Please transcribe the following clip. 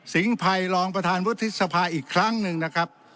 ภัยรองประธานวุฒิสภาอีกครั้งหนึ่งนะครับ